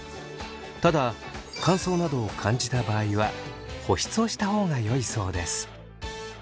ただ乾燥などを感じた場合は保湿をした方がよいそうです。